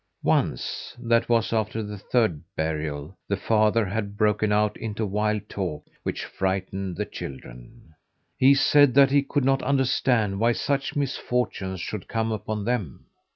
Once that was after the third burial the father had broken out into wild talk, which frightened the children. He said that he could not understand why such misfortunes should come upon them.